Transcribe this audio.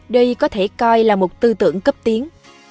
đây có thể coi là một tư tưởng cấp tiến